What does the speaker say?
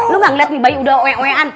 lu gak ngeliat nih bayi udah oe oean